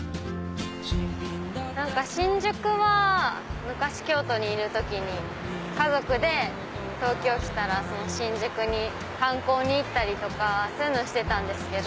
何か新宿は昔京都にいる時に家族で東京来たら新宿に観光に行ったりとかそういうのしてたんですけど。